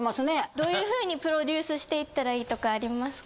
どういう風にプロデュースしていったらいいとかありますか？